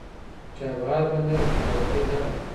چابهار بندر د سوداګرۍ لار ده.